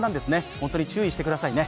本当に注意してくださいね。